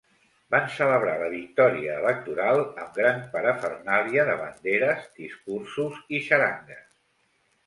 Van celebrar la victòria electoral amb gran parafernàlia de banderes, discursos i xarangues.